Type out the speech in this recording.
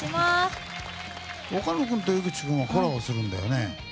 岡野君と井口君はコラボするんだよね。